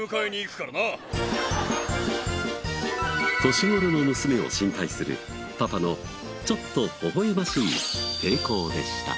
年頃の娘を心配するパパのちょっとほほ笑ましい抵抗でした。